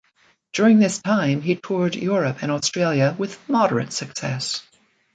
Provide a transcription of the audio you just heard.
During this time he toured Europe and Australia with moderate success.